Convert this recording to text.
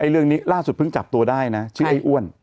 เรื่องนี้ล่าสุดเพิ่งจับตัวได้นะชื่อไอ้อ้วน